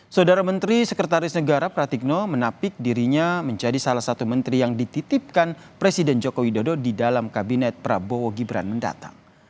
saudara menteri sekretaris negara pratikno menapik dirinya menjadi salah satu menteri yang dititipkan presiden joko widodo di dalam kabinet prabowo gibran mendatang